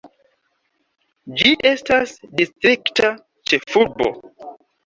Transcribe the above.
Ĝi estas distrikta ĉefurbo.